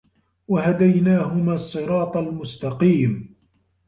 وَهَدَيناهُمَا الصِّراطَ المُستَقيمَ